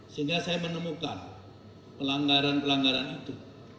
sehingga saya menemukan pelanggaran pelanggaran itu